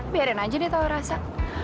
biarin aja dia tahu rasa